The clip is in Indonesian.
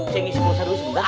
saya ngisi pursah dulu sembang